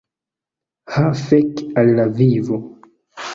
Ha fek al la vivo!